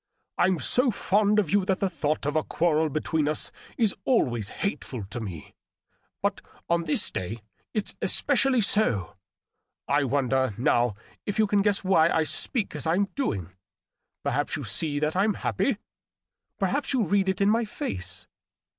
I'm so fond of you that the thought of a quarrel between us is always hateful to me — but on this day it's especially so. .• I wonder, now, if you can guess why I speak as I'm doing. Perhaps you see that I'm happy. Perhaps you read it in my face.